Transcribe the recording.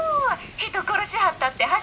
人殺しはったって初めて？」。